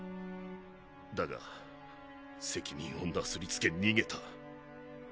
だが責任をなすりつけ逃げた。